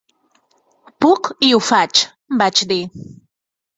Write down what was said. "Puc i ho faig", vaig dir.